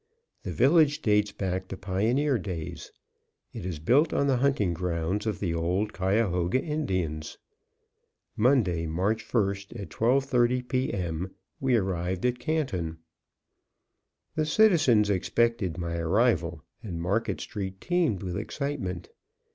The village dates back to pioneer days. It is built on the hunting grounds of the old Cuyahoga Indians. Monday, March 1st, at 12:30 P. M., we arrived in Canton. The citizens expected my arrival, and Market street teemed with excitement.